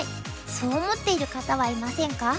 そう思っている方はいませんか？